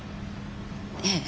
ええ。